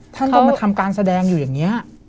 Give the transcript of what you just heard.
ท่านก็มาทำการแสดงอยู่อย่างนี้